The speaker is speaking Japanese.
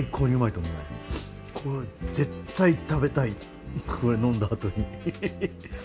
これ絶対食べたいこれ呑んだあとにイヒヒ。